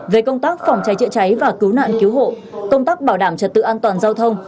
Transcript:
về công tác phòng cháy chữa cháy và cứu nạn cứu hộ công tác bảo đảm trật tự an toàn giao thông